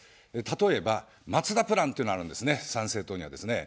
例えば松田プランというのがあるんですね、参政党にはですね。